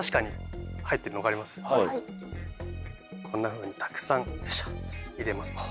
こんなふうにたくさん入れます。